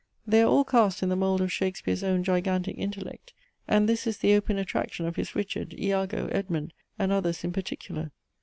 They are all cast in the mould of Shakespeare's own gigantic intellect; and this is the open attraction of his Richard, Iago, Edmund, and others in particular.